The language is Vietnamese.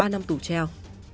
ba năm tù treo